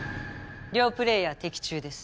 両プレーヤー的中です。